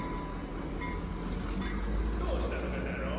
どうしたのかダロ？